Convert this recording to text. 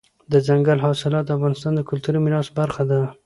دځنګل حاصلات د افغانستان د کلتوري میراث برخه ده.